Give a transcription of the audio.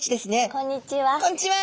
こんにちは。